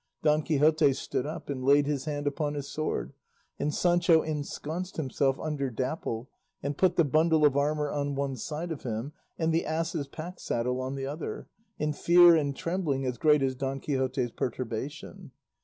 Don Quixote stood up and laid his hand upon his sword, and Sancho ensconced himself under Dapple and put the bundle of armour on one side of him and the ass's pack saddle on the other, in fear and trembling as great as Don Quixote's perturbation.